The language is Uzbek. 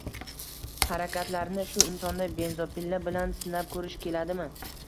harakatlarini shu insonda benzopila bilan sinab ko‘rish keladimi?